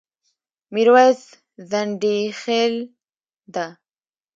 ميرويس ځنډيخيل ډه